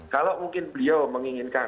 kalau mungkin beliau menginginkan